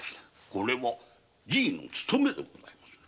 これはじぃの務めでございます。